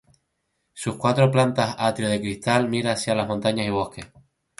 Sus cuatro plantas atrio de cristal, mira hacia las montañas y bosques.